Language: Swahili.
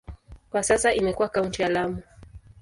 Kwa sasa imekuwa kaunti ya Lamu.